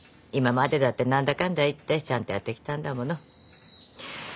今までだって何だかんだ言ってちゃんとやってきたんだもの。